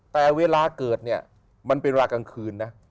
แต่เวลาเกิดเนี่ยมันเป็นเวลากลางคืนนะ